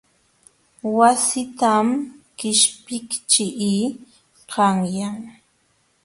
Wassitam qishpiqćhii qanyan.